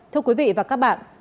thưa quý vị và các bạn